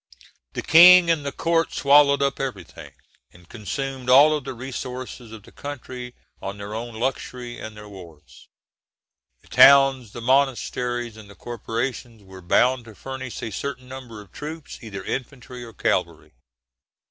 The King and the court swallowed up everything, and consumed all the resources of the country on their luxury and their wars. The towns, the monasteries, and the corporations, were bound to furnish a certain number of troops, either infantry or cavalry.